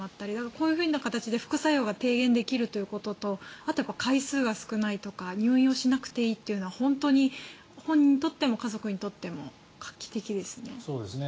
こういうふうな形で副作用が低減できるということとあとは回数が少ないとか入院をしなくていいというのは本当に本人にとっても家族にとっても画期的ですね。